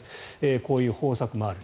こういう方策もある。